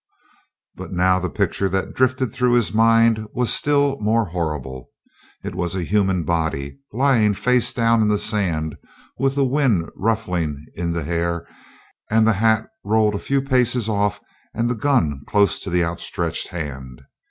But now the picture that drifted through his mind was still more horrible. It was a human body lying face downward in the sand with the wind ruffling in the hair and the hat rolled a few paces off and the gun close to the outstretched hand.